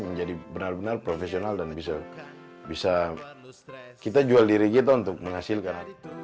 menjadi benar benar profesional dan bisa bisa kita jual diri kita untuk menghasilkan